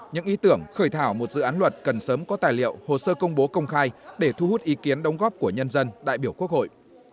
những ý tưởng khởi thảo một dự án luật cần sớm có tài liệu hồ sơ công bố công khai để thu hút ý kiến đóng góp của nhân dân đại biểu quốc hội